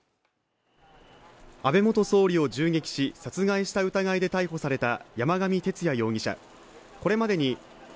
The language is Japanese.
安倍元総理を銃撃し、殺害した疑いで逮捕された山上徹也容疑者。